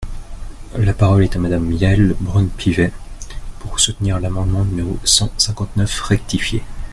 La parole est à Madame Yaël Braun-Pivet, pour soutenir l’amendement numéro cent cinquante-neuf rectifié.